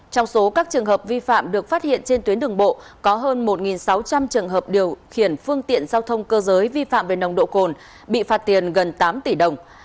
trong số các trường hợp vi phạm được phát hiện trên tuyến đường bộ có hơn một sáu trăm linh trường hợp điều khiển phương tiện giao thông cơ giới vi phạm về nồng độ cồn bị phạt tiền gần tám tỷ đồng